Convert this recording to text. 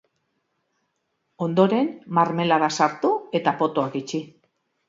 Ondoren, marmelada sartu eta potoak itxi.